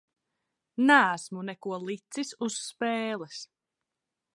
Neesmu neko licis uz spēles.